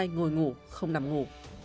một mươi hai ngồi ngủ không nằm ngủ